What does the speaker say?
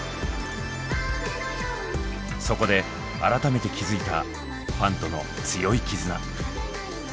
そこで改めて気付いたファンとの強い絆。